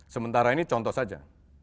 sementara ini contoh saja